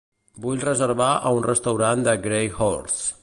Vull reservar a un restaurant de Gray Horse.